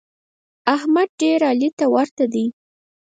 احمد ډېر علي ته ورته دی.